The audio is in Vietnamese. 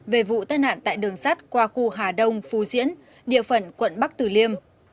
về vụ tai nạn tại đường sắt qua khu hà đông phù diễn địa phận quận bắc tử liêm